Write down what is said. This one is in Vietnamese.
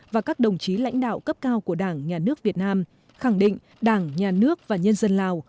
và các đồng chí lãnh đạo cấp cao của đảng nhà nước việt nam khẳng định đảng nhà nước và nhân dân lào